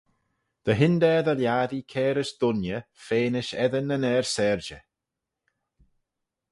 Dy hyndaa dy lhiattee cairys dooinney fenish eddin yn er-syrjey.